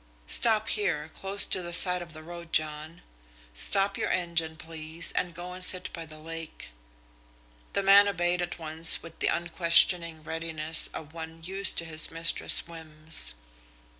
"Stop here, close to the side of the road, John. Stop your engine, please, and go and sit by the lake." The man obeyed at once with the unquestioning readiness of one used to his mistress' whims.